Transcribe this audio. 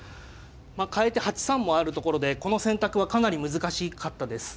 まあかえて８三もあるところでこの選択はかなり難しかったです。